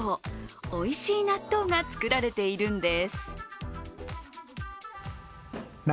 おいしい納豆が作られているんです。